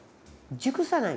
熟さない。